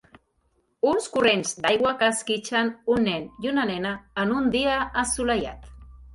Uns corrents d'aigua que esquitxen un nen i una nena en un dia assolellat.